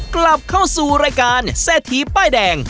กลับเข้าสู่รายการแซ่ทีไปร์ดแดง